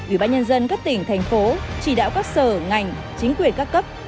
ủy ban nhân dân các tỉnh thành phố chỉ đạo các sở ngành chính quyền các cấp